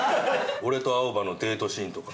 俺と青葉のデートシーンとか。